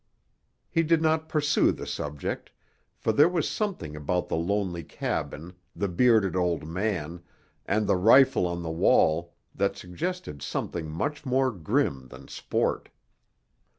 He did not pursue the subject, for there was something about the lonely cabin, the bearded old man, and the rifle on the wall that suggested something much more grim than sport.